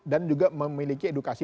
dan juga memiliki edukasi